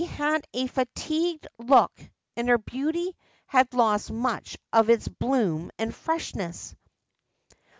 341 had a fatigued look, and her beauty had lost much of its bloom and freshness.